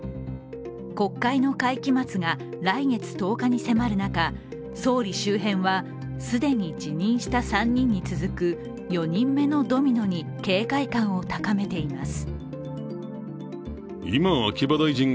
国会の会期末が来月１０日に迫る中、総理周辺は既に辞任した３人に続く４人目のドミノに警戒感を高めています。